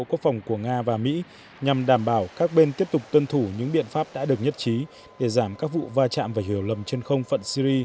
đây là cuộc đối thoại thông thường của nga và mỹ nhằm đảm bảo các bên tiếp tục tuân thủ những biện pháp đã được nhất trí để giảm các vụ va chạm và hiểu lầm trên không phận syri